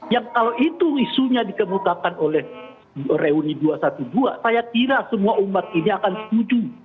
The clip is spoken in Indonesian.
yang kalau itu isunya dikemukakan oleh reuni dua ratus dua belas saya kira semua umat ini akan setuju